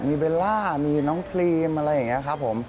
มีเบลล่ามีน้องพรีมอะไรอย่างนี้ครับผม